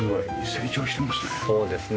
そうですね。